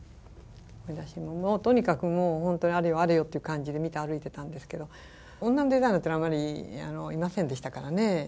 私もとにかく本当にあれよあれよって感じで見て歩いてたんですけど女のデザイナーっていうのはあまりいませんでしたからね。